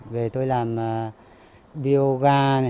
về tôi làm biêu ga